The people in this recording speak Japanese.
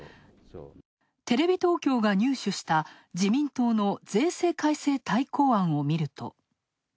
テレビ東京が入手した自民党の税制改正大綱案を見ると。